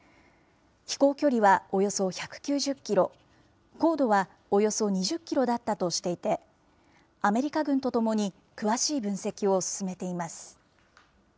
飛行距離はおよそ１９０キロ、高度はおよそ２０キロだったとしていて、アメリカ軍とともに詳しい分析を進めています。